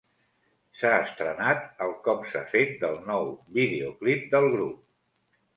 S'ha estrenat el com-s'ha-fet del nou videoclip del grup.